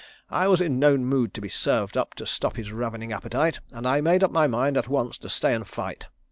I was in no mood to be served up to stop his ravening appetite and I made up my mind at once to stay and fight.